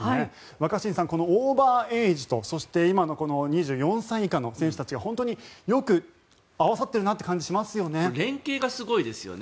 若新さん、このオーバーエージとそして今の２４歳以下の選手たちが本当によく合わさっているなという感じがしますよね。